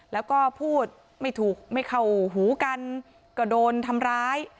แล้วก็พูดไม่ถูกไม่เข้าหูกันก็โดนทำร้าย